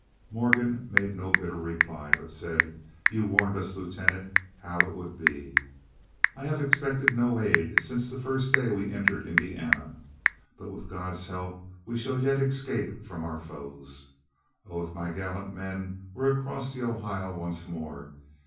(3) Morgan made no bitter reply, but said. "You warned us, Lieutenant, how it would be. I have expected no aid since the first day we entered Indiana. But with God's help we shall yet escape from our foes. Oh, if my gallant men were across the Ohio once more!